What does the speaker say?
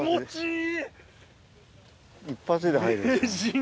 一発で入る。